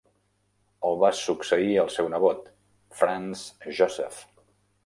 El va succeir el seu nebot, Franz Joseph.